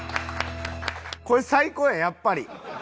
これ最高やんやっぱり。